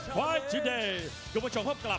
ตอนนี้มวยกู้ที่๓ของรายการ